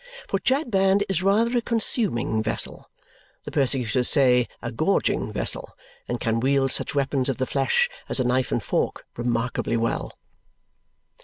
For Chadband is rather a consuming vessel the persecutors say a gorging vessel and can wield such weapons of the flesh as a knife and fork remarkably well.